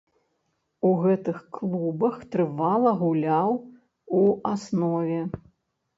У гэтых клубах трывала гуляў у аснове.